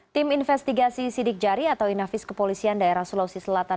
tim investigasi sidik jari atau inafis kepolisian daerah sulawesi selatan